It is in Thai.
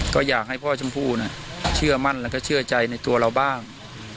ก็อยากให้พ่อชมพู่เชื่อมั่นแล้วก็เชื่อใจในตัวเราบ้าง